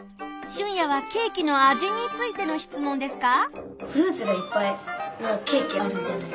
シュンヤはケーキの味についての質問ですか？